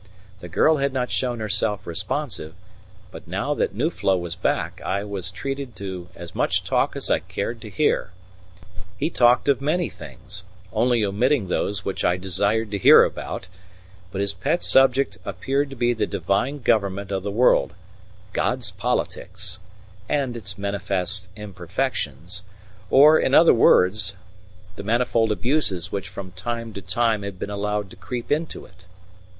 The girl had not shown herself responsive, but now that Nuflo was back I was treated to as much talk as I cared to hear. He talked of many things, only omitting those which I desired to hear about; but his pet subject appeared to be the divine government of the world "God's politics" and its manifest imperfections, or, in other words, the manifold abuses which from time to time had been allowed to creep into it.